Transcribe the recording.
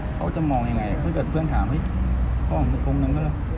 เขาจะมองยังไงเพื่อเกิดเพื่อนถามเฮ้ยเขาออกมือตรงนั้นก็เลย